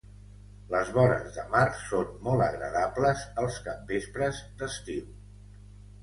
Les vores de mar són molt agradables els capvespres d'estiu.